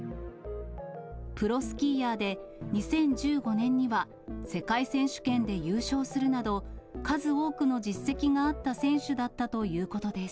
プロスキーヤーで２０１５年には世界選手権で優勝するなど、数多くの実績があった選手だったということです。